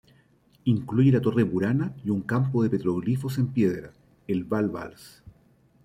Incluye la torre Burana y un campo de petroglifos en piedra, el "bal-bals.